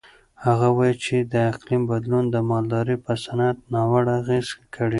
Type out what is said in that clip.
هغه وایي چې د اقلیم بدلون د مالدارۍ په صنعت ناوړه اغېز کړی.